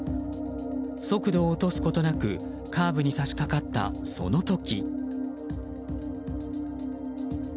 速度を落とすことなくカーブに差し掛かったその時。